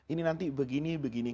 ini nanti begini begini